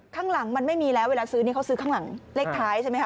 ข้างหลังมันไม่มีแล้วเวลาซื้อนี่เขาซื้อข้างหลังเลขท้ายใช่ไหมค